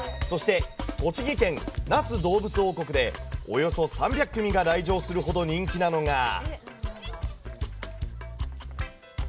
そして、栃木県那須どうぶつ王国で、およそ３００組が来場するほど人気なのが。